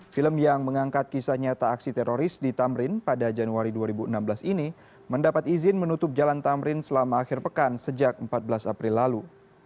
film yang mengangkat kisah nyata aksi teroris di tamrin pada januari dua ribu enam belas ini mendapat izin menutup jalan tamrin selama akhir pekan sejak empat belas april lalu